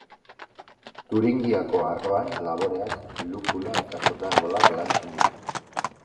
Turingiako arroan laboreak, lupulua eta fruta-arbolak lantzen dira.